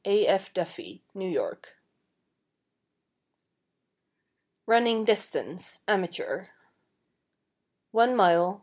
A. F. Duffey, New; York. =Running Distance, Amateur=: 1 mile, 4 m.